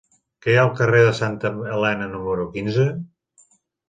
Què hi ha al carrer de Santa Elena número quinze?